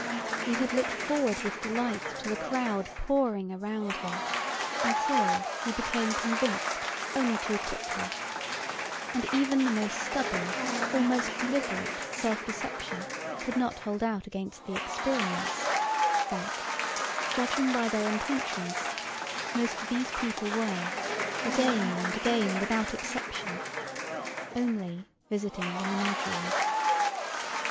He had looked forward with delight to the crowd pouring around him, until he became convinced only too quickly—and even the most stubborn, almost deliberate self deception could not hold out against the experience—that, judging by their intentions, most of these people were, again and again without exception, only visiting the menagerie.